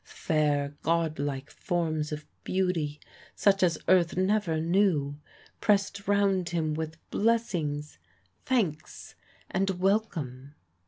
Fair, godlike forms of beauty, such as earth never knew, pressed round him with blessings, thanks, and welcome.